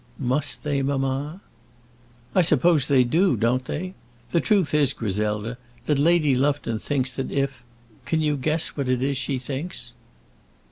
"Must they, mamma?" "I suppose they do, don't they? The truth is, Griselda, that Lady Lufton thinks that if Can you guess what it is she thinks?"